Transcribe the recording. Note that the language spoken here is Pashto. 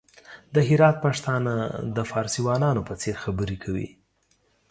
د هرات پښتانه د فارسيوانانو په څېر خبري کوي!